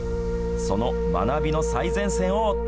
その学びの最前線を追った。